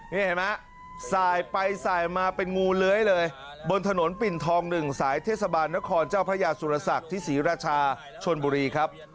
นี่เห็นไหมสายไปสายมาเป็นงูเลื้อยเลยบนถนนปิ่นทอง๑สายเทศบาลนครเจ้าพระยาสุรศักดิ์ที่ศรีราชาชนบุรีครับ